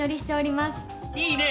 いいね！